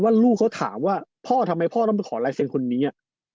ลูกเขาถามว่าพ่อทำไมพ่อต้องไปขอลายเซ็นต์คนนี้